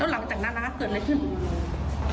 หลังจากนั้นนะคะเกิดอะไรขึ้น